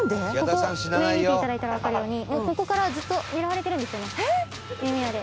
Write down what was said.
ここ上見て頂いたらわかるようにここからずっと狙われてるんですよね弓矢で。